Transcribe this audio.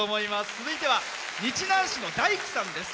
続いては日南市の大工さんです。